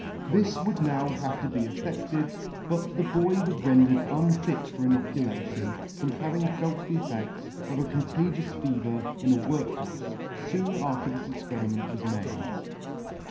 This* would now have been effedled, but the boy was rendered unfit for inoculation from having felt the effects of a contagious fever in a work houfe, foon after this experiment was made.